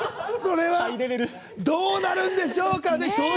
どうなるんでしょうかね！